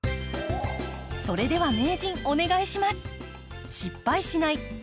それでは名人お願いします。